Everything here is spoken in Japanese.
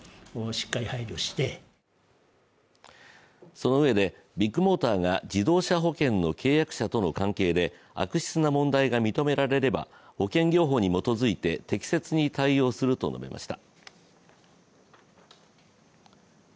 そのうえで、ビッグモーターが自動車保険の契約者との関係で悪質な問題が認められれば保険業法に基づいて適切に対応すると述べました。